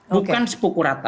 bukan sepuku rata